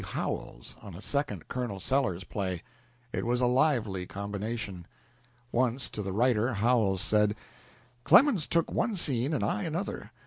Howells on a second Colonel Sellers play. It was a lively combination. Once to the writer Howells said: "Clemens took one scene and I another.